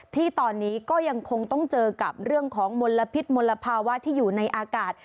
ที่ตอนนี้ก็ยังคงต้องเจอกับเรื่องของมลพิษมลภาวะที่อยู่ในอากาศ